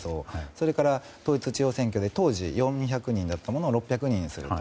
それから統一地方選挙で当時、４００人だったものを６００人にすると。